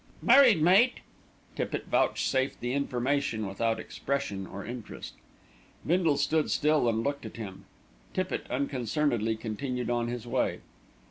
"Married, mate!" Tippitt vouchsafed the information without expression or interest. Bindle stood still and looked at him. Tippitt unconcernedly continued on his way.